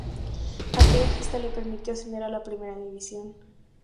Aquella gesta le permitió ascender a la Primera División.